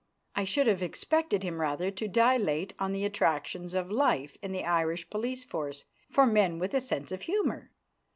I should have expected him rather to dilate on the attractions of life in the Irish police force for men with a sense of humour.